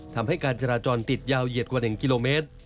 ทำให้การจราจรติดยาวเหยียดกว่า๑กิโลเมตร